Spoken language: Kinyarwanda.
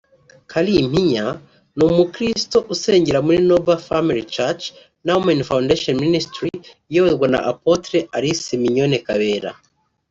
Kalimpinya ni umukristo usengera muri Noble Family church na Women Foundation Ministries iyoborwa na Apotre Alice Mignone Kabera